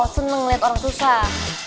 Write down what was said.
seneng liat orang susah